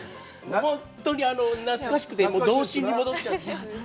本当に懐かしくて、童心に戻っちゃってて。